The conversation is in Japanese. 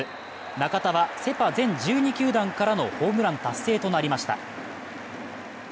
中田はセ・パ全１２球団からのホームラン達成となりました。